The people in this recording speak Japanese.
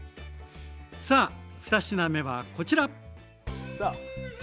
さあ２品目はこちら。